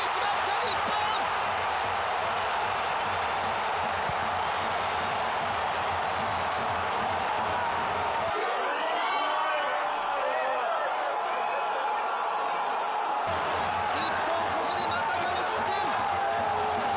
日本、ここでまさかの失点。